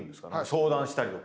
相談したりとか。